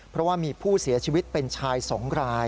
เพราะว่ามีผู้เสียชีวิตเป็นชาย๒ราย